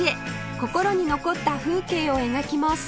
心に残った風景を描きます